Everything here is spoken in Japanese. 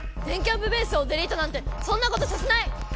電キャんぷベースをデリートなんてそんなことさせない！